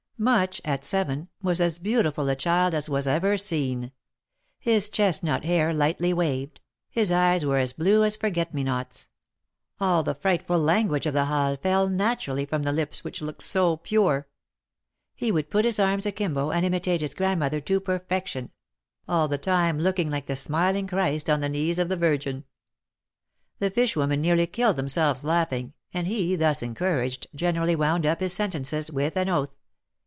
Much, at seven, was as beautiful a child as was ever seen. His chestnut hair lightly waved ; his eyes were as blue as Forget me nots. All the frightful language of the Halles fell naturally from the lips which looked so pure. He would put his arms akimbo and imitate his grandmother to perfection — all the time looking like the THE MARKETS OF PARIS. 149 smiling Christ on the knees of the Virgin. The fish women nearly killed themselves laughing, and he, thus encouraged, generally wound up his sentences vdth an oath.